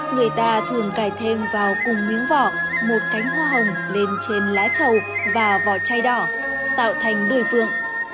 người ta thường cài thêm vào cùng miếng vỏ một cánh hoa hồng lên trên lá trầu và vỏ chai đỏ tạo thành đôi phượng